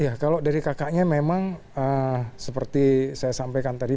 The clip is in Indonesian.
iya kalau dari kakaknya memang seperti saya sampaikan tadi